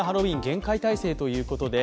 厳戒態勢ということで